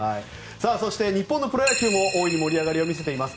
そして、日本のプロ野球も大いに盛り上がりを見せています。